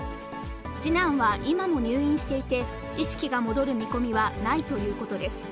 次男は今も入院していて、意識が戻る見込みはないということです。